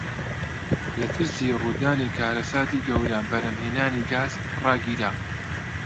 لە ترسی ڕوودانی کارەساتی گەورە بەرهەمهێنانی گاز ڕاگیرا.